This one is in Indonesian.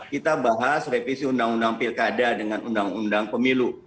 kita bahas revisi undang undang pilkada dengan undang undang pemilu